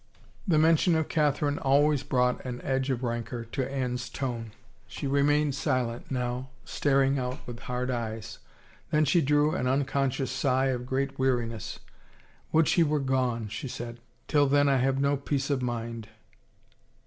The mention of Catherine always brought an edge of rancor to Anne's tone. She remained silent now, star ing out with hard eyes; then she drew an unconscious sigh of great weariness. " Would she were gone," she said. " Till then I have no peace of mind."